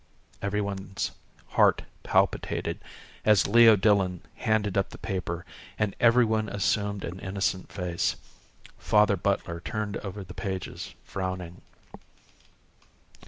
Everyone's heart palpitated as Leo Dillon handed up the paper and everyone assumed an innocent face. Father Butler turned over the pages, frowning.